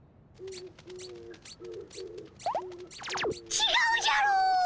ちがうじゃーろー。